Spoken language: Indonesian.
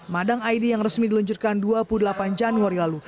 madang id yang resmi diluncurkan dua puluh delapan januari lalu